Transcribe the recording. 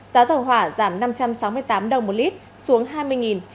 giá dầu hỏa giảm năm trăm sáu mươi tám đồng một lít xuống hai mươi chín trăm bốn mươi bốn đồng một lít